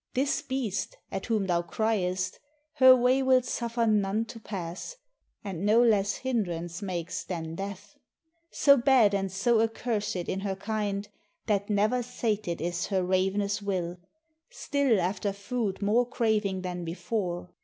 This beast, At whom thou criest, her way will suffer none To pass, and no less hindrance makes than death: So bad and so accursed in her kind, That never sated is her ravenous will, Still after food more craving than before.